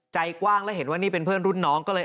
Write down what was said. ใจกว้างแล้วเห็นว่านี่เป็นเพื่อนรุ่นน้องก็เลย